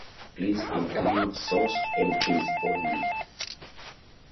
Please include sourced entries only.